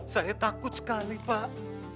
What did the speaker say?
saya takut sekali pak